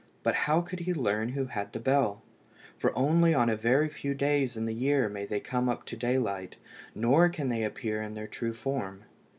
But how could he learn who had the bell? for only on a very few days in the year may they come up to daylight, nor can they then appear in their true form.